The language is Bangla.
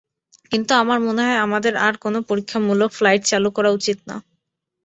কিন্তু আমার মনে হয়, আমাদের আর কোনো পরীক্ষামূলক ফ্লাইট চালু করা উচিত না।